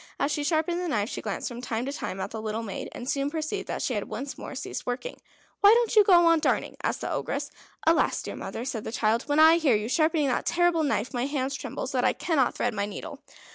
As she sharpened the knife, she glanced from time to time at the little maid, and soon perceived that she had once more ceased working. "Why don't you go on darning?" asked the Ogress. "Alas! dear mother," said the child, "when I hear you sharpening that terrible knife my hands tremble so that I cannot thread my needle."